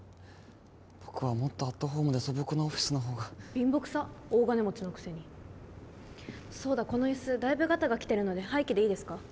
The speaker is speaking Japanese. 僕はもっとアットホームで素朴なオフィスのほうが貧乏くさっ大金持ちのくせにそうだこのイスだいぶガタがきてるので廃棄でいいですか？